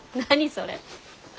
それ。